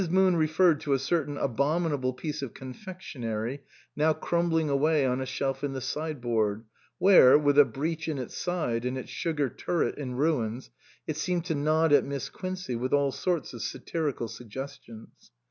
Moon referred to a certain abominable piece of confectionery now crumb ling away on a shelf in the sideboard, where, with a breach in its side and its sugar turret in ruins, it seemed to nod at Miss Quincey with all sorts of satirical suggestions.